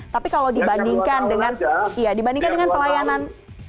tapi kalau dibandingkan dengan pelayanan